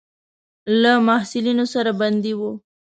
له محصلینو سره بندي وو.